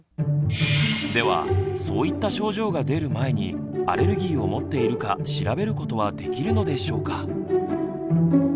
ではそういった症状が出る前にアレルギーを持っているか調べることはできるのでしょうか？